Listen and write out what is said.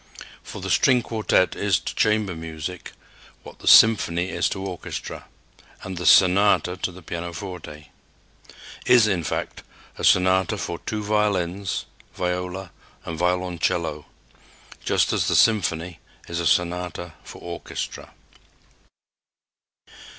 For the string quartet is to chamber music what the symphony is to orchestra and the sonata to the pianoforte is, in fact, a sonata for two violins, viola and violoncello, just as the symphony is a sonata for orchestra.